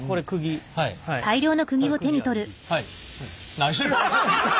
何してるん？